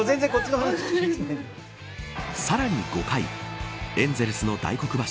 さらに５回エンゼルスの大黒柱